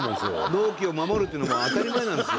納期を守るっていうのはもう当たり前なんですよ。